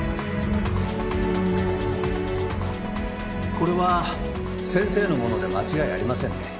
これは先生の物で間違いありませんね？